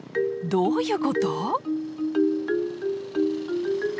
どういうこと？